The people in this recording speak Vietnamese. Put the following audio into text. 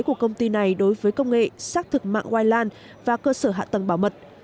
của công ty này đối với công nghệ xác thực mạng wiland và cơ sở hạ tầng bảo mật